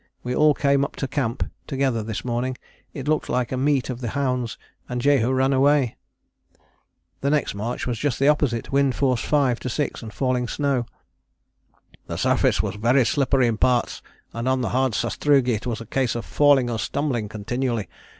We all came up to camp together this morning: it looked like a meet of the hounds, and Jehu ran away!!!" The next march was just the opposite. Wind force 5 to 6 and falling snow. "The surface was very slippery in parts and on the hard sastrugi it was a case of falling or stumbling continually.